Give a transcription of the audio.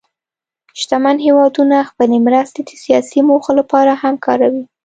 شتمن هېوادونه خپلې مرستې د سیاسي موخو لپاره هم کاروي.